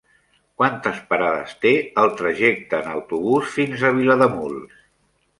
Quantes parades té el trajecte en autobús fins a Vilademuls?